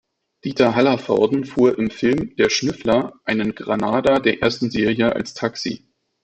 Dieter Hallervorden fuhr im Film Der Schnüffler einen Granada der ersten Serie als Taxi.